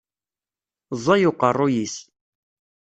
Ẓẓay uqerruy-is.